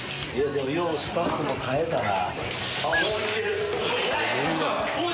ようスタッフも耐えたな。